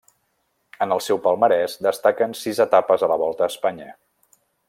En el seu palmarès destaquen sis etapes a la Volta a Espanya.